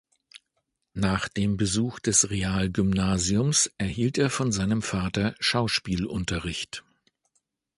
Nach dem Besuch des Realgymnasiums erhielt er von seinem Vater Schauspielunterricht.